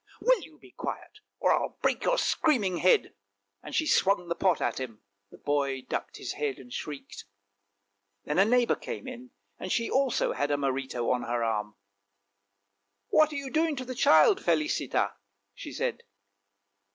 " Will you be quiet? or I'll break your screaming head! " and she swung the pot at him. The boy ducked his head and shrieked. Then a neighbour came in, and she also had her marito on her arm. " What are you doing to the child, Felicita? " she said.